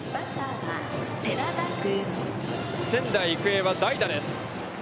仙台育英は代打です。